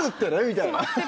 みたいな。